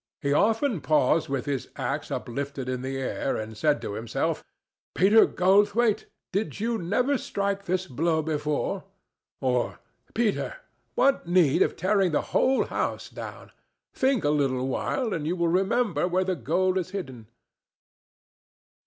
He often paused with his axe uplifted in the air, and said to himself, "Peter Goldthwaite, did you never strike this blow before?" or "Peter, what need of tearing the whole house down? Think a little while, and you will remember where the gold is hidden."